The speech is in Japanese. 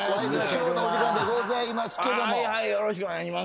よろしくお願いします。